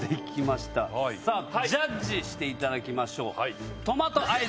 ジャッジしていただきましょう。